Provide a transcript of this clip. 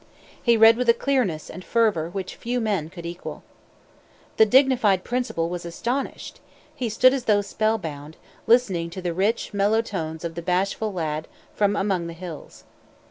He read with a clearness and fervor which few men could equal. The dignified principal was astonished. He stood as though spell bound, listening to the rich, mellow tones of the bashful lad from among the hills.